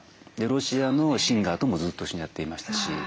ロシアのシンガーともずっと一緒にやっていましたし。